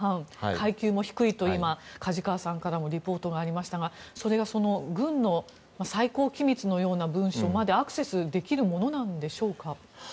階級も低いと、梶川さんからもリポートがありましたがそれは軍の最高機密のような文書までアクセスできるものなんでしょうか？